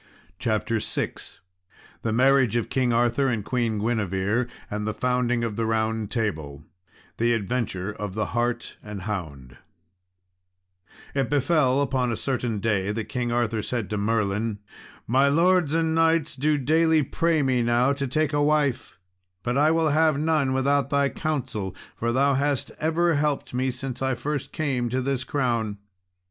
CHAPTER VI The Marriage of King Arthur and Queen Guinevere, and the Founding of the Round Table The Adventure of the Hart and Hound It befell upon a certain day, that King Arthur said to Merlin, "My lords and knights do daily pray me now to take a wife; but I will have none without thy counsel, for thou hast ever helped me since I came first to this crown."